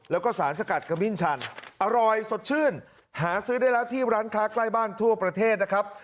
แล้วก็สารสกัดขมิ้นชันอร่อยสดชื่นหาซื้อได้แล้วที่ร้านค้าใกล้บ้านทั่วประเทศนะครับ